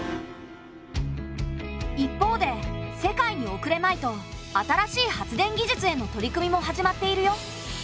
一方で世界におくれまいと新しい発電技術への取り組みも始まっているよ。